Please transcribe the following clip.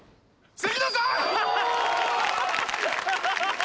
関根さん！